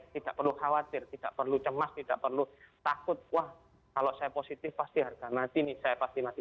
tidak perlu khawatir tidak perlu cemas tidak perlu takut wah kalau saya positif pasti harga mati nih saya pasti mati